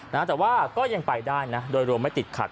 นะฮะแต่ว่าก็ยังไปได้นะโดยรวมไม่ติดขัด